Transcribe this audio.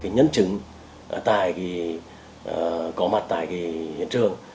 nhân chứng có mặt tại hiện trường